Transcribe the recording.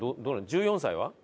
１４歳は？